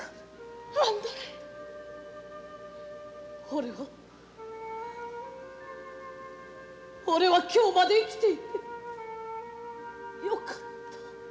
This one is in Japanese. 俺は俺は今日まで生きていて良かった。